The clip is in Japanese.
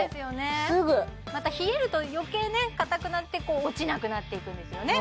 すぐまた冷えると余計ね硬くなって落ちなくなっていくんですよね